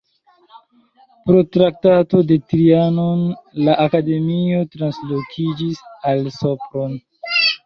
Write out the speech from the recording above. Pro Traktato de Trianon la akademio translokiĝis al Sopron.